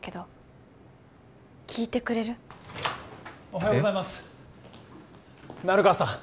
おはようございます成川さん